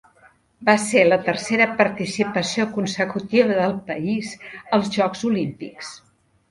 Va ser la tercera participació consecutiva del país als Jocs Olímpics.